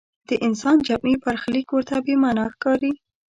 د انسان جمعي برخلیک ورته بې معنا ښکاري.